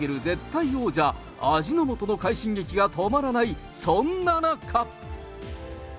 絶対王者、味の素の快進撃が止まらない、そんな中。